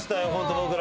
僕ら。